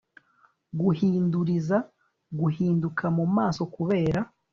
guhinduriza guhinduka mu maso kubera